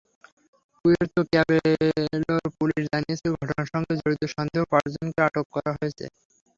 Puerto ক্যাবেলোর police জানিয়েছে, ঘটনার সঙ্গে জড়িত সন্দেহে পাঁচজনকে আটক করা হয়েছে।